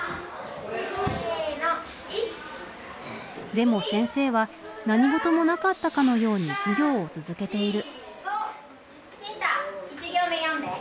でも先生は何事もなかったかのように授業を続けている。